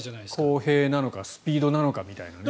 公平なのかスピードなのかみたいなね。